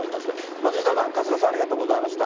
松下さん、春日さん、ありがとうございました。